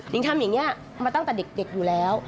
หนิงทำแบบนี้มาตั้งแต่เด็กอยู่แล้ว